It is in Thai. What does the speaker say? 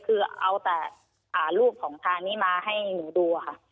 คือเอาแต่รูปของทางนี้มาให้หนูดูค่ะ